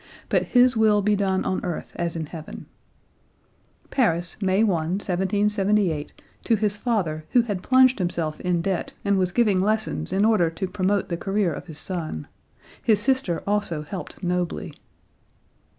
But His will be done on earth as in heaven." (Paris, May 1, 1778, to his father who had plunged himself in debt and was giving lessons in order to promote the career of his son. His sister also helped nobly.)